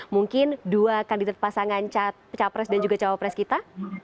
mungkin dua kandidat pasangan capres dan juga cawapres kita